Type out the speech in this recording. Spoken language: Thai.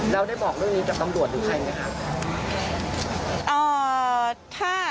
แล้วได้บอกเรื่องนี้กับตำรวจหรือใครไหมคะ